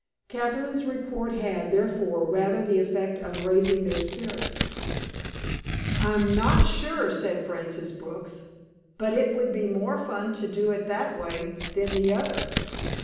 Catherine's report had, therefore, rather the effect of raising their spirits. "I'm not sure," said Frances Brooks, "but it would be more fun to do it that way than the other.